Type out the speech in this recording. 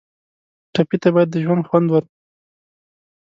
ټپي ته باید د ژوند خوند ورکړو.